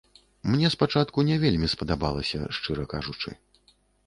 Мне спачатку не вельмі спадабалася, шчыра кажучы.